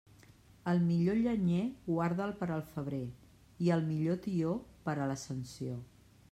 El millor llenyer, guarda'l per al febrer, i el millor tió, per a l'Ascensió.